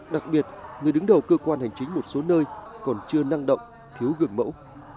đặc biệt người đứng đầu cơ quan hành chính một số nơi còn chưa năng động thiếu gương mẫu